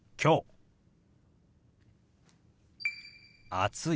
「暑い」。